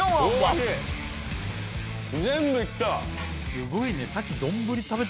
すごいね。